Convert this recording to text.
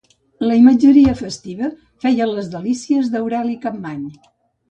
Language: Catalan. La imatgeria festiva feia les delícies d'Aureli Capmany.